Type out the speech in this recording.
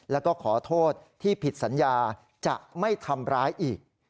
แล้วก็ขอโทษที่ผิดสัญญาจะไม่ทำร้ายอีก